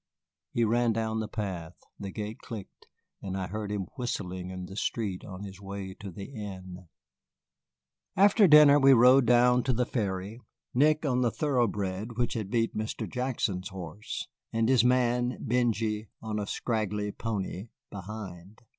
He ran down the path, the gate clicked, and I heard him whistling in the street on his way to the inn. After dinner we rode down to the ferry, Nick on the thoroughbred which had beat Mr. Jackson's horse, and his man, Benjy, on a scraggly pony behind.